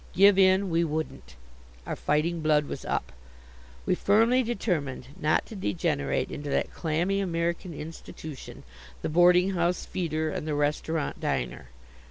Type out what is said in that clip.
Give in, we wouldn't. Our fighting blood was up. We firmly determined not to degenerate into that clammy American institution, the boarding house feeder and the restaurant diner.